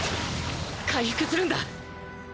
回復するんだ！